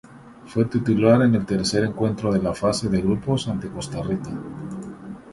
Fue titular en el tercer encuentro de la fase de grupos ante Costa Rica.